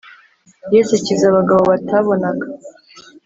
Yesu akiza abagabo batabonaga